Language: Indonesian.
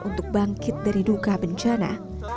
untuk bangkit dari duka bencana